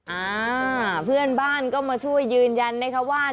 อ่าเพื่อนบ้านก็มาช่วยยืนยันนะคะว่า